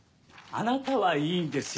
あなたはいいんですよ。